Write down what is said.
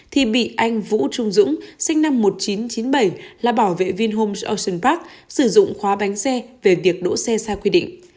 thì bị anh vũ trung dũng sinh năm một nghìn chín trăm chín mươi bảy là bảo vệ vinhome ocean park sử dụng khóa bánh xe về việc đỗ xe sai quy định